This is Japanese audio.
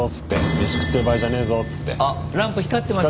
あランプ光ってますよ。